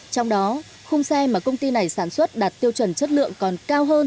trong đó khung xe mà công ty này sản xuất đạt tiêu chuẩn chất lượng còn cao hơn